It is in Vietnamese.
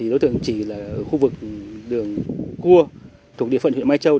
đối tượng chỉ là khu vực đường cua thuộc địa phận huyện mai châu